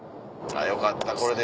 よかったこれで。